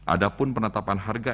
adapun penetapan harga